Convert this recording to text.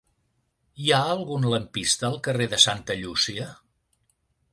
Hi ha algun lampista al carrer de Santa Llúcia?